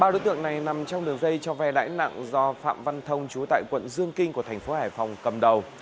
ba đối tượng này nằm trong đường dây cho ve lãi nặng do phạm văn thông chú tại quận dương kinh của thành phố hải phòng cầm đầu